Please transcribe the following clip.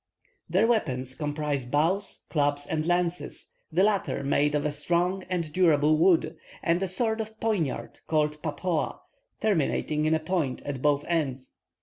Their weapons comprise bows, clubs, and lances, the latter made of a strong and durable wood, and a sort of poignard called "paphoa," terminating in a point at both ends.